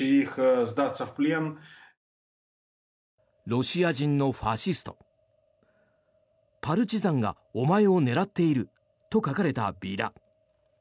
「ロシア人のファシスト」「パルチザンがお前を狙っている」と書かれたビラ。